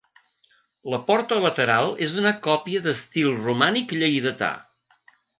La porta lateral és una còpia d'estil romànic lleidatà.